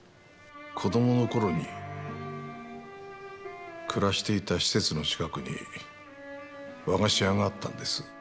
子どもの頃に暮らしていた施設の近くに和菓子屋があったんです。